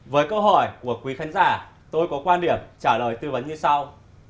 với câu hỏi của quý khán giả tôi có quan điểm trả lời tư vấn như sau